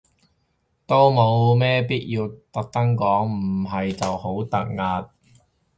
都冇咩必要特登講，唔係就好突兀